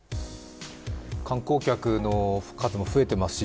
観光客の数も増えていますし